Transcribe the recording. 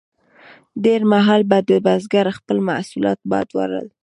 ډیر مهال به د بزګر خپل محصولات باد وړل.